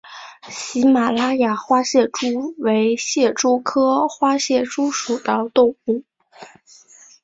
喜马拉雅花蟹蛛为蟹蛛科花蟹蛛属的动物。